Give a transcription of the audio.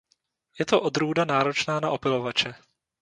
Je to odrůda náročná na opylovače.